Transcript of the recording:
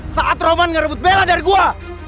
saat roman ngerebut bela dari gue